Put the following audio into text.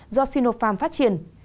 do sinopharm phát triển